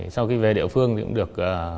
sau khi về địa phương thì cũng được